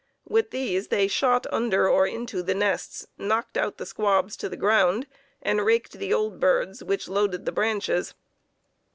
With these they shot under or into the nests, knocked out the squabs to the ground, and raked the old birds which loaded the branches.